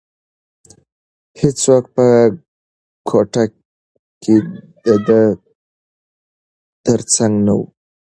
هیڅوک په کوټه کې د ده تر څنګ نه وو.